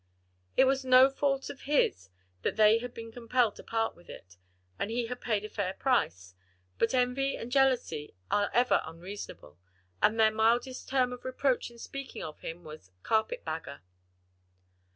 It was no fault of his that they had been compelled to part with it, and he had paid a fair price: but envy and jealousy are ever unreasonable; and their mildest term of reproach in speaking of him was "carpet bagger."